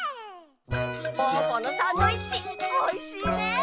ぽぅぽのサンドイッチおいしいね。